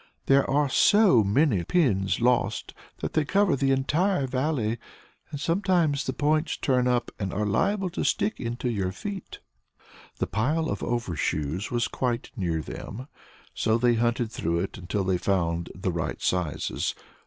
There are so many pins lost that they cover the entire Valley, and sometimes the points turn up and are liable to stick into your feet." The pile of overshoes was quite near them, so they hunted through it until they found the right sizes.